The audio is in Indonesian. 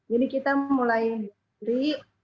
jadi kita mulai dari